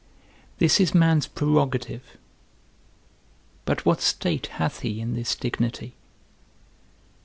This is man's prerogative; but what state hath he in this dignity?